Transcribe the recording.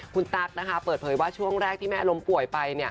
คุณตั๊กเปิดเผยว่าช่วงแรกที่แม่ล้มป่วยไป